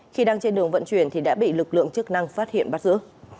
khi đang trên đường vận chuyển thì đã bị lực lượng chức năng phát hiện bắt giữ